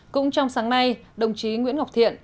cũng trong sáng nay đồng chí nguyễn ngọc thiện